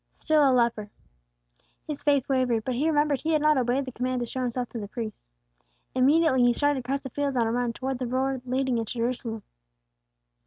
Still a leper! His faith wavered; but he remembered he had not obeyed the command to show himself to the priests. Immediately he started across the fields on a run, towards the road leading into Jerusalem.